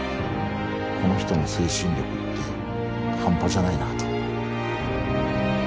この人の精神力って、半端じゃないな。